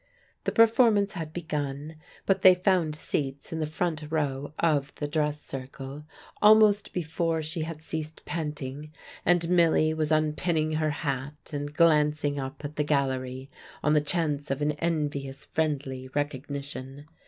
The performance had begun; but they found seats in the front row of the dress circle, almost before she had ceased panting, and Milly was unpinning her hat and glancing up at the gallery on the chance of an envious friendly recognition.